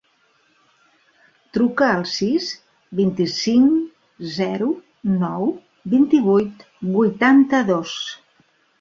Truca al sis, vint-i-cinc, zero, nou, vint-i-vuit, vuitanta-dos.